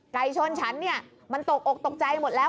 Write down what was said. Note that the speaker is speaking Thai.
ไก่ชนฉันเนี่ยมันตกอกตกใจหมดแล้ว